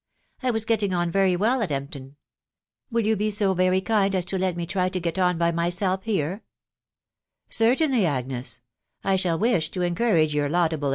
I was getting on very well at Empton. Will you fteao Tory kmd as to Let me try to get on by myself here j? " ".Certainfty, Agnes, .... J shall wish to encourage your laudable